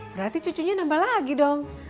berarti cucunya nambah lagi dong